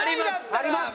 あります。